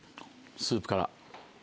スープから。